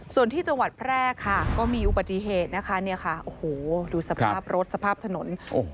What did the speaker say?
ส่วนที่จังหวัดแพร่ก็มีอุบัติเหตุดูสภาพรถสภาพถนน